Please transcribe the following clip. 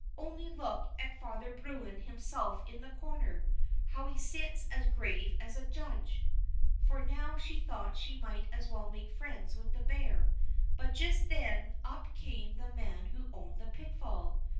Only look at Father Bruin himself in the corner, how he sits as grave as a judge," for now she thought she might as well make friends with the bear. But just then up came the man who owned the pitfall.